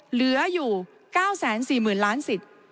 เหลืออยู่๙๔๐๐๐ล้านสิทธิ์